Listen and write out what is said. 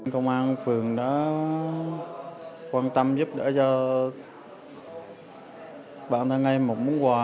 công an phường đã quan tâm giúp đỡ cho bản thân em một món quà